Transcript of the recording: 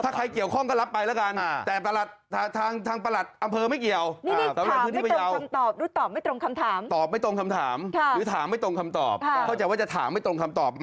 ถ้าใครเกี่ยวข้องก็รับไปแล้วกัน